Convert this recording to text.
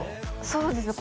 そうですね